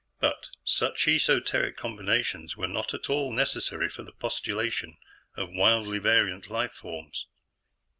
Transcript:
But such esoteric combinations are not at all necessary for the postulation of wildly variant life forms.